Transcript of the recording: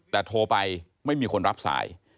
แต่โทรไปไม่มีคนรับสาย